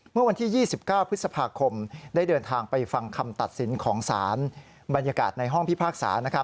เมื่อวันที่๒๙พฤษภาคมได้เดินทางไปฟังคำตัดสินของศาลบรรยากาศในห้องพิพากษา